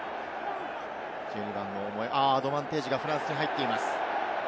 １２番のアドバンテージがフランスに入っています。